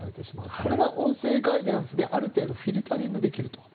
これが音声ガイダンスである程度フィルタリングできると。